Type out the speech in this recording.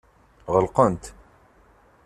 Ɣelqent.